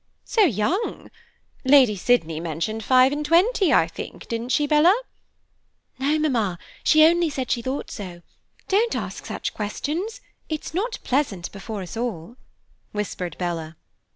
"So young! Lady Sydney mentioned five and twenty, I think, didn't she, Bella?" "No, Mamma, she only said she thought so. Don't ask such questions. It's not pleasant before us all," whispered Bella.